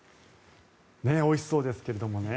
おいしそうですけれどもね。